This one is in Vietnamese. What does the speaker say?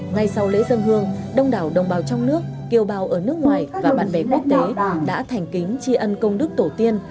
ngay sau lễ dân hương đông đảo đồng bào trong nước kiều bào ở nước ngoài và bạn bè quốc tế đã thành kính tri ân công đức tổ tiên